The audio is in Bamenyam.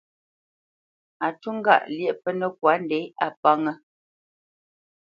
Á ncú ŋgâʼ lyéʼ pə́nə́kwa ndě, a pánŋə́.